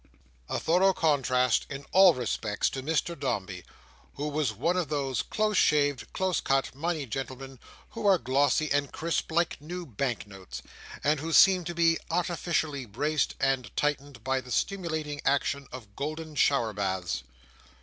A thorough contrast in all respects, to Mr Dombey, who was one of those close shaved close cut moneyed gentlemen who are glossy and crisp like new bank notes, and who seem to be artificially braced and tightened as by the stimulating action of golden showerbaths.